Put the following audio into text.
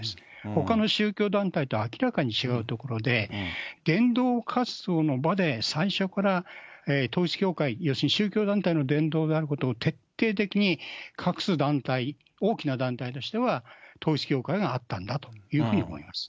ほかの宗教団体と明らかに違うところで、伝道活動の場で、最初から統一教会、要するに宗教団体の伝道であることを徹底的に隠す団体、大きな団体としては統一教会があったんだというふうに思います。